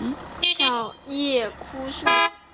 小叶榉树